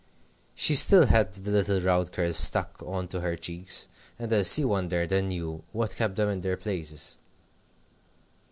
She still had the little round curls stuck on to her cheeks, and Elsie wondered anew what kept them in their places.